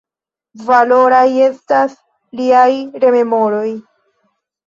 Valoraj estas liaj rememoroj.